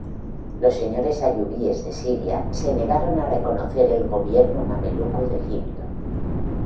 Los señores ayubíes de Siria se negaron a reconocer el gobierno mameluco de Egipto.